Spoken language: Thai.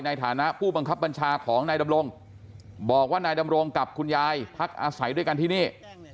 ในฐานะผู้บังคับบัญชาของนายดำรงบอกว่านายดำรงกับคุณยายพักอาศัยด้วยกันที่นี่